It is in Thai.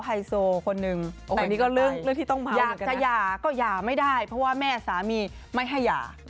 ต่างจากไปอยากจะหย่าก็หย่าไม่ได้เพราะว่าแม่สามีไม่ให้หย่า